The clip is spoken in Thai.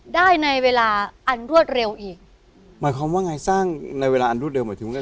ได้ในเวลาอันรวดเร็วอีกหมายความว่าไงสร้างในเวลาอันรวดเร็วหมายถึงว่า